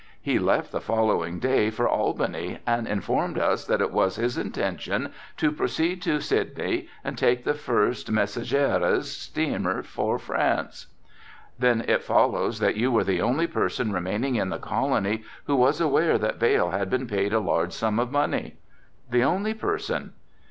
"He left the following day for Albany and informed us that it was his intention to proceed to Sydney and take the first Messargeries steamer for France." "Then it follows that you were the only person remaining in the colony who was aware that Vail had been paid a large sum of money?" "The only person."